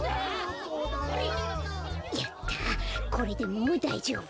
これでもうだいじょうぶ。